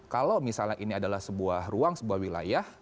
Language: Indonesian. kalau misalnya ini adalah sebuah ruang sebuah wilayah